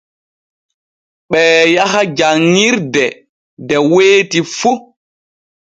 Ɓee yaha janŋirde de weyti fu.